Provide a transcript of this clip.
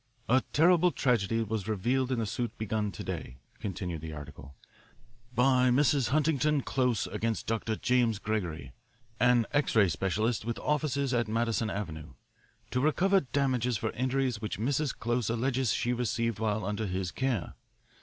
"A terrible tragedy was revealed in the suit begun today," continued the article, "by Mrs. Huntington Close against Dr. James Gregory, an X ray specialist with offices at Madison Avenue, to recover damages for injuries which Mrs. Close alleges she received while under his care.